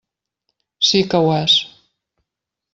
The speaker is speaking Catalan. Sí que ho és.